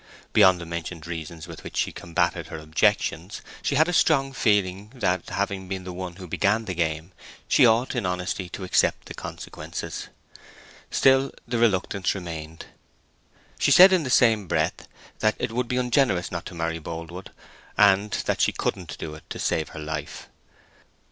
Beyond the mentioned reasons with which she combated her objections, she had a strong feeling that, having been the one who began the game, she ought in honesty to accept the consequences. Still the reluctance remained. She said in the same breath that it would be ungenerous not to marry Boldwood, and that she couldn't do it to save her life.